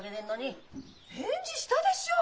返事したでしょ！？